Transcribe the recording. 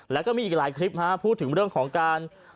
แล้วก็มีอีกหลายคลิปพูดถึงเรื่องของการ